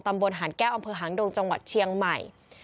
บนหานแก้วอำเภอหางดงจังหวัดเชียงใหม่